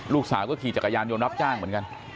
ลูกสาวก็ขี่จักรยานยนต์รับจ้างเหมือนกัน